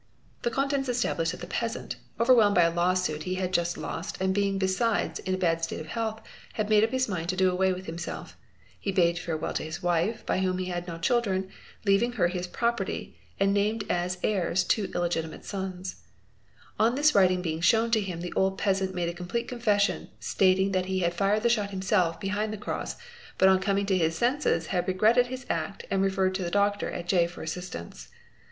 The contents established hat the peasant, overwhelmed by a law suit he had just lost and being esides in a bad state of health, had made up his mind to do away with limself; he bade farewell to his wife by whom he had had no children, leaying her his property, and named as heirs two illegitimate sons. Or this writing being shown to him the old peasant made a complete sonfession, stating that he had fired the shot himself behind the cross, ut on coming to his senses had regretted his act and referred to the 2 ACME Y 3) MF0F BEBE FRAN LIRE TI SS, BAA Sie EA SARDINES RELA GN OAL NNR TET ABA TY RV ATE . pa edad .: f ctor at J for assistance.